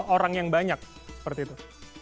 orang yang banyak seperti itu